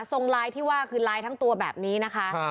ไลน์ที่ว่าคือไลน์ทั้งตัวแบบนี้นะคะ